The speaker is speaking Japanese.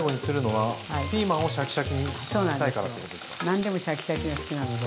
何でもシャキシャキが好きなので。